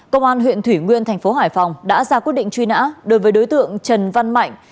công an huyện thủy nguyên thành phố hải phòng đã ra quyết định truy nã đối với đối tượng trần văn mạnh